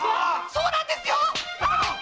そうなんですよ！